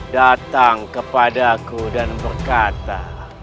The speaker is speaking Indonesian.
datang kepadaku dan berkata